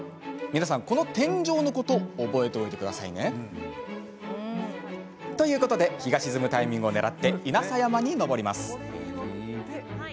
皆さん、この天井のこと覚えておいてくださいね。ということで日が沈むタイミングをねらって稲佐山に登ります。